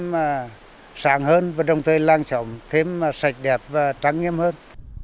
thêm sạng hơn và đồng thời lan trọng thêm sạch đẹp và trắng nghiêm hơn